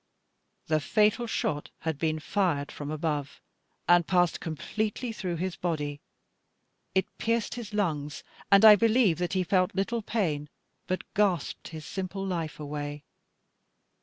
The fatal shot had been fired from above, and passed completely through his body. It pierced his lungs, and I believe that he felt little pain, but gasped his simple life away.